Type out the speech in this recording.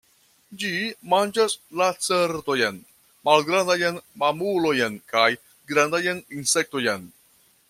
Ĝi manĝas lacertojn, malgrandajn mamulojn kaj grandajn insektojn.